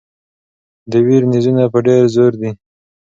د ویر نیزونه په ډېر زور دي.